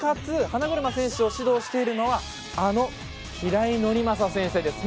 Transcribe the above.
花車選手を指導しているのはあの平井伯昌先生です。